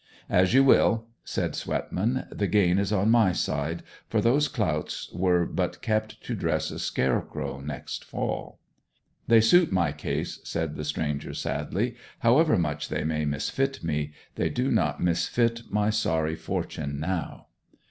'As you will,' said Swetman. 'The gain is on my side; for those clouts were but kept to dress a scarecrow next fall.' 'They suit my case,' said the stranger sadly. 'However much they may misfit me, they do not misfit my sorry fortune now!'